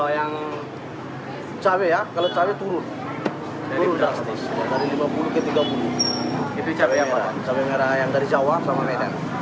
yang dari jawa sama medan